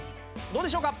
どうでしょうか？